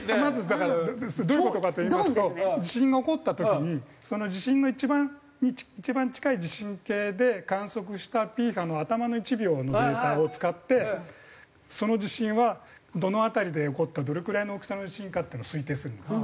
だからどういう事かといいますと地震が起こった時にその地震の一番近い地震計で観測したＰ波の頭の１秒のデータを使ってその地震はどの辺りで起こったどれくらいの大きさの地震かっていうのを推定するんです。